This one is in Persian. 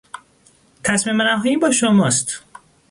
تصمیم نهایی با شماست.